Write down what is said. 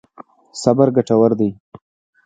صبر ګټور دی.